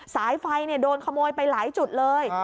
สายไฟโดนขโมยไปหลายจุดเลย